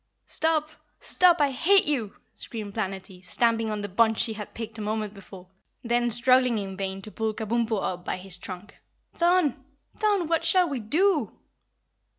"Stop! Stop! I hate you!" screamed Planetty, stamping on the bunch she had picked a moment before, then struggling in vain to pull Kabumpo up by his trunk. "Thun! Thun! What shall we do?"